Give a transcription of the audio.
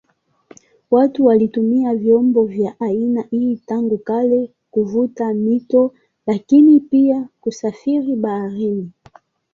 Watu walitumia vyombo vya aina hii tangu kale kuvuka mito lakini pia kusafiri baharini.